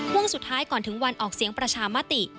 วงสุดท้ายก่อนถึงวันออกเสียงประชามติ